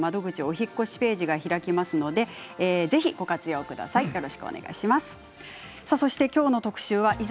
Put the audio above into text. お引っ越しページが開きますのでぜひご活用ください。